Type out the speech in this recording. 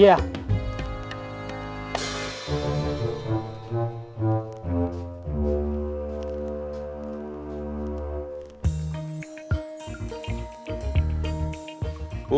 sebentar saya tanya dulu ya